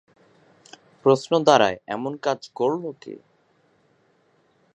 প্রশ্ন দাড়ায় এমন কাজ করলো কে?